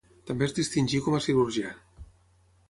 També es distingí com a cirurgià.